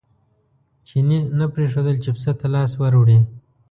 چیني نه پرېښودل چې پسه ته لاس ور وړي.